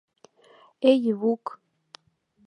— Эй, Ивук